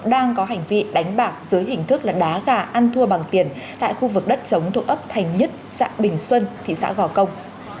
đang có hành vi đánh bạc dưới hình thức là đá gà ăn thua bằng tiền tại khu vực đất chống thuộc ấp thành nhất xã bình xuân thị xã gò công